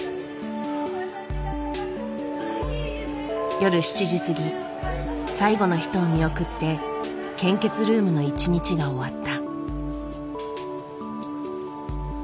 夜７時過ぎ最後の人を見送って献血ルームの一日が終わった。